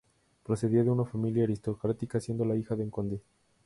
Procedía de una familia aristocrática, siendo la hija de un conde.